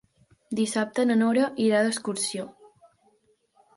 Dissabte na Nora irà d'excursió.